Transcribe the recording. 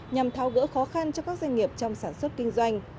nhằm thao gỡ khó khăn cho các doanh nghiệp trong sản xuất kinh doanh